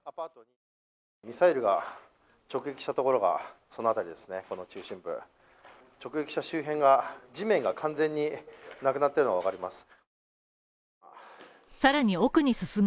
ミサイルが直撃したところが、その辺りですね、この中心部直撃した周辺が地面が完全になくなってるのわかります。